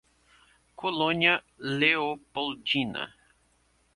Colônia Leopoldina